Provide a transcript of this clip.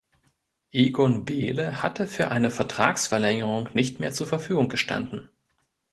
Egon Behle hatte für eine Vertragsverlängerung nicht mehr zur Verfügung gestanden.